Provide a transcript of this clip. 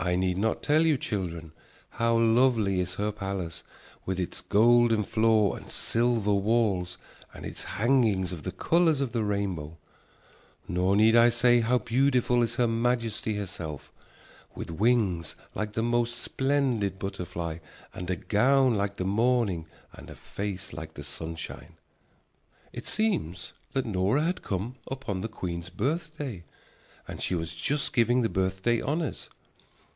I need not tell you, children, how lovely is her palace, with its golden floor and silver walls and its hangings of the colors of the rainbow. Nor need I say how beautiful is her majesty herself, with wings like the most splendid butterfly and a gown like the morning and a face like the sunshine. It seems that Nora had come upon the queen's birthday, and she was just giving the birthday honors.